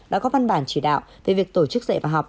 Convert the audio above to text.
đã có văn bản chỉ đạo về việc tổ chức dạy và học